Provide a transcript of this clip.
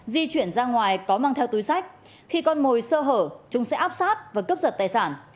di chuyển ra ngoài có mang theo túi sách khi con mồi sơ hở chúng sẽ áp sát và cướp giật tài sản